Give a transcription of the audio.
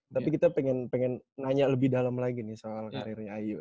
tapi kita pengen nanya lebih dalam lagi nih soal karirnya ayu